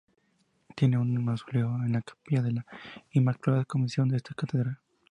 Tiene su mausoleo en la capilla de la "Inmaculada Concepción" de esta catedral.